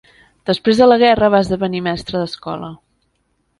Després de la guerra va esdevenir mestre d'escola.